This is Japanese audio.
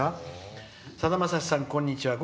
「さだまさしさん、こんにちは。